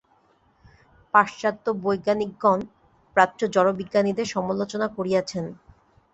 পাশ্চাত্য বৈজ্ঞানিকগণ প্রাচ্য জড়বিজ্ঞানীদের সমালোচনা করিয়াছেন।